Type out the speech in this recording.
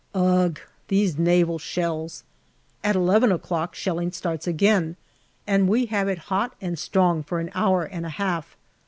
Ugh ! those naval shells. At eleven o'clock shelling starts again, and we have it hot and strong for an hour and a half.